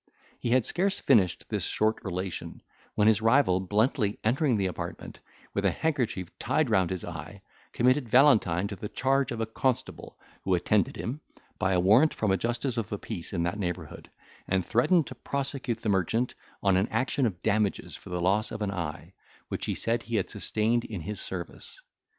He had scarce finished this short relation, when his rival, bluntly entering the apartment, with an handkerchief tied round his eye, committed Valentine to the charge of a constable, who attended him, by a warrant from a justice of the peace in that neighbourhood, and threatened to prosecute the merchant on an action of damages for the loss of an eye, which he said he had sustained in his service.